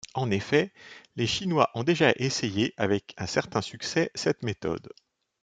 En effet, les chinois ont déjà essayé avec un certain succès cette méthode.